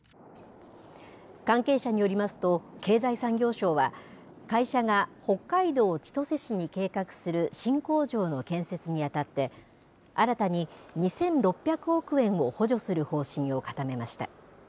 関係者によりますと、経済産業省は、会社が北海道千歳市に計画する新工場の建設にあたって、新たに２６００億円を補助する方針を固めました。